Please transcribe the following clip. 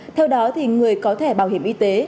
theo đó người có thẻ bảo hiểm y tế